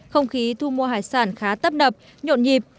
không khí thu mua hải sản khá tấp nập nhộn nhịp